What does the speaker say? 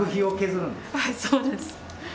はい、そうです。